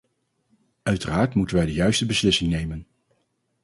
Uiteraard moeten wij de juiste beslissing nemen.